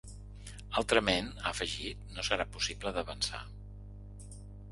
Altrament, ha afegit, no serà possible d’avançar.